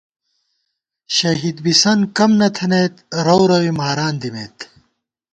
شہید بِسنت کم نہ تھنئیت، رؤروے ماران دِمېت